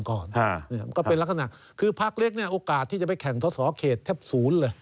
ก็เป็นลักษณะคือภาคเลขโอกาสที่จะไปแข่งทศเขตแทบศูนย์เลย